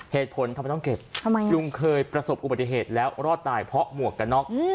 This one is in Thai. เหตุผลทำไมต้องเก็บทำไมลุงเคยประสบอุบัติเหตุแล้วรอดตายเพราะหมวกกันน็อก